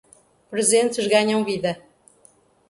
Presentes ganham vida.